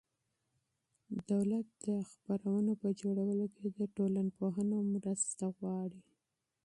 دولت د پروګرامونو په جوړولو کې له ټولنپوهانو مرسته غواړي.